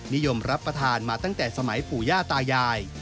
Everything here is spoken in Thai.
นิยมรับประทานมาตั้งแต่สมัยปู่ย่าตายาย